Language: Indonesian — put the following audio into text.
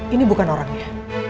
ini bukan orangnya